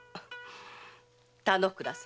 田之倉様。